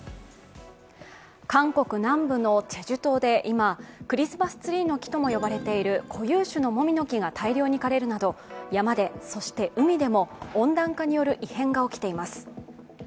韓国南部のチェジュ島で今、クリスマスツリーの木ともいわれている固有種のもみの木が大量に枯れるなど、山で、そして海でも温暖化による異変が起きています。